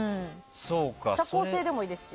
社交性でもいいですし。